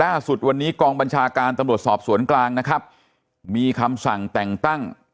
ล่าสุดวันนี้กองบัญชาการตำรวจสอบสวนกลางนะครับมีคำสั่งแต่งตั้ง